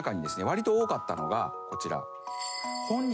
わりと多かったのがこちら。